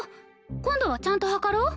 今度はちゃんと測ろう。